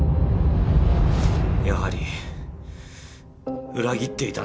やはり裏切っていたんですね？